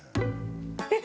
えっ！